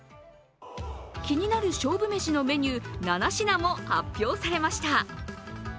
気になる勝負メシのメニュー７品も発表されました。